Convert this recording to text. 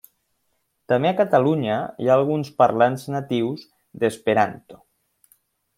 També a Catalunya hi ha alguns parlants natius d'esperanto.